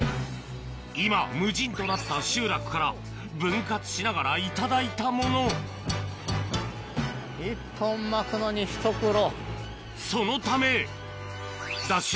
今は無人となった集落から分割しながら頂いたもの１本巻くのにひと苦労。